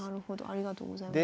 ありがとうございます。